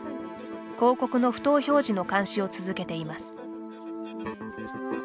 広告の不当表示の監視を続けています。